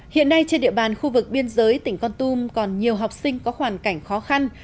hiện nay trên địa bàn khu vực biên giới tỉnh con tum còn nhiều học sinh có hoàn cảnh khó khăn